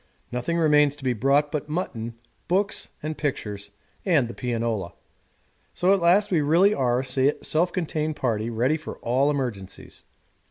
Nothing remains to be brought but mutton, books and pictures, and the pianola. So at last we really are a self contained party ready for all emergencies.